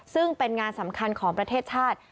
ซึ่งเป็นงานสำคัญของประเทศชาติ